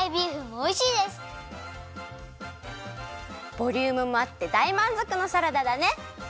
ボリュームもあってだいまんぞくのサラダだね！